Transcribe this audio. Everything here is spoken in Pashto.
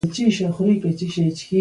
ډېرې پیسې او شتمني.